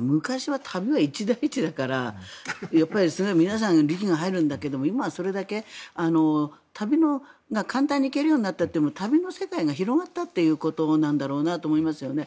昔は旅は一大事だから皆さん、力が入るんだけど今はそれだけ旅が簡単に行けるようになったというか旅の世界が広がったということなんだろうなと思いますね。